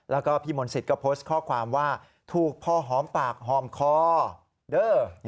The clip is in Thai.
แล้วก็พี่มนต์สิทธิ์ก็โพสต์ข้อความว่าถูกพ่อหอมปากหอมคอเด้อ